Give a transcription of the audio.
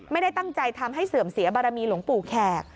ไม่ได้ตั้งใจทำให้เสื่อมเสียบารมีหลวงปู่แขก